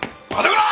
こら！